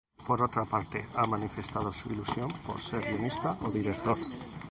Por otra parte, ha manifestado su ilusión por ser guionista o director.